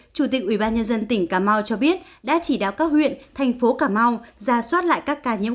chủ tịch ubnd tỉnh cà mau cho biết đã chỉ đáo các huyện thành phố cà mau ra soát lại các ca nhiễm